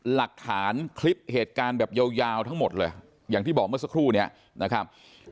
หลักฐานคลิปเหตุการณ์แบบยาวทั้งหมดเลยอย่างที่บอกเมื่อสักครู่นี้นะครับ